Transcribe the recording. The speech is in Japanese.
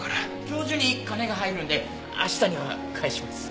今日中に金が入るんで明日には返します。